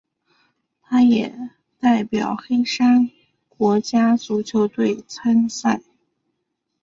他也代表黑山国家足球队参赛。